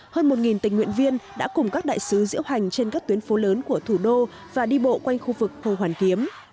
hơn một tình nguyện viên đã cùng các đại sứ diễu hành trên các tuyến phố lớn của thủ đô và đi bộ quanh khu vực hồ hoàn kiếm